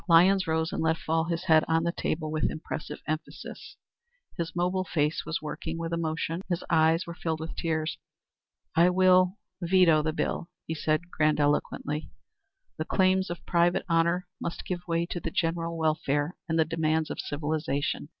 Lyons rose and let fall his hand on the table with impressive emphasis. His mobile face was working with emotion; his eyes were filled with tears. "I will veto the bill," he said, grandiloquently. "The claims of private honor must give way to the general welfare, and the demands of civilization.